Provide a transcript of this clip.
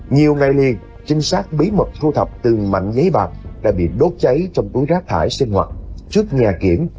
nhiều ngày liền chính xác bí mật thu thập từ mạnh giấy bạc đã bị đốt cháy trong túi rác thải sinh hoạt trước nhà kiểm